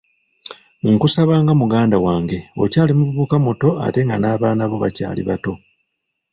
Nkusaba nga muganda wange, okyali muvubuka muto ate nga n'abaana bo bakyali bato.